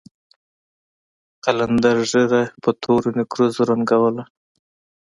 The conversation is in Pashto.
قلندر ږيره په تورو نېکريزو رنګوله.